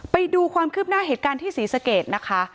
ไปดูความคืบหน้าเหตุการณ์ที่ศรีสะเกดนะคะ